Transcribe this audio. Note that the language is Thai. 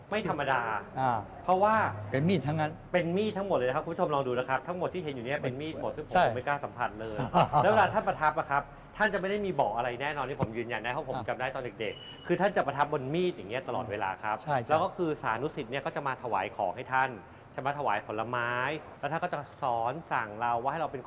ไม่ธรรมดาเพราะว่าเป็นมีดทั้งหมดเลยนะครับคุณชมลองดูนะครับทั้งหมดที่เห็นอยู่นี่เป็นมีดหมดซึ่งผมก็ไม่กล้าสัมผัสเลยแล้วเวลาท่านมาทับนะครับท่านจะไม่ได้มีบอกอะไรแน่นอนที่ผมยืนยันนะครับผมจำได้ตอนเด็กคือท่านจะมาทับบนมีดอย่างนี้ตลอดเวลาครับแล้วก็คือสารนุสิตเนี่ยก็จะมาถวายของให้ท่านจะมาถวายผลไม้แล